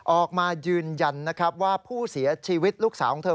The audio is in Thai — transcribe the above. ออกมายืนยันนะครับว่าผู้เสียชีวิตลูกสาวของเธอ